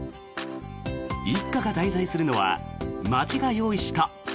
一家が滞在するのは町が用意した